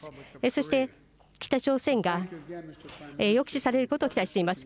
そして、北朝鮮が抑止されることを期待しています。